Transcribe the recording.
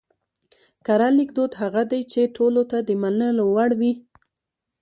کره ليکدود هغه دی چې ټولو ته د منلو وړ وي